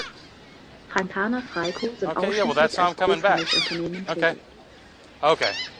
Frankana Freiko sind ausschließlich als Großhandelsunternehmen tätig.